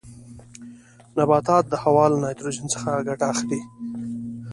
نباتات د هوا له نایتروجن څخه ګټه اخلي.